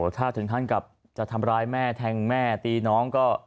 ถ้าถึงขั้นกับจะทำร้ายแม่แทงแม่ตีน้องก็